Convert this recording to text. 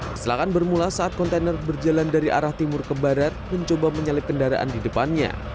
kecelakaan bermula saat kontainer berjalan dari arah timur ke barat mencoba menyalip kendaraan di depannya